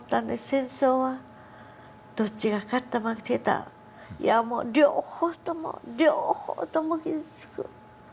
戦争はどっちが勝った負けたいやもう両方とも両方とも傷つく。